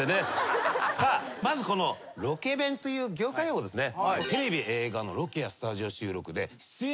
さあまずこのロケ弁という業界用語ですね。